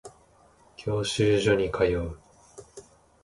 教習所に通う